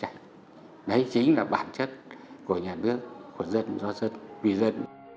đấy chính là bản chất của nhà nước của dân do dân vị dân